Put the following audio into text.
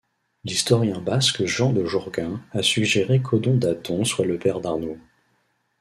L'historien basque Jean de Jaurgain a suggéré qu'Odon Daton soit le père d'Arnaud.